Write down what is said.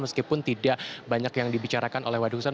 meskipun tidak banyak yang dibicarakan oleh wadhusen